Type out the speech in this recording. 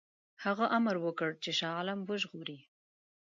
هغه امر وکړ چې شاه عالم وژغوري.